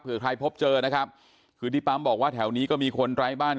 เพื่อใครพบเจอนะครับคือที่ปั๊มบอกว่าแถวนี้ก็มีคนไร้บ้าน